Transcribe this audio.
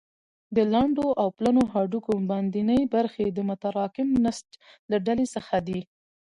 د لنډو او پلنو هډوکو باندنۍ برخې د متراکم نسج له ډلې څخه دي.